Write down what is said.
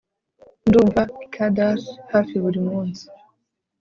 Ndumva cicadas hafi buri munsi